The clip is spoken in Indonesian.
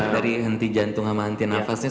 dari henti jantung sama henti nafasnya